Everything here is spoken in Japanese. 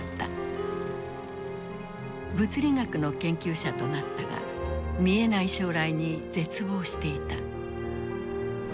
物理学の研究者となったが見えない将来に絶望していた。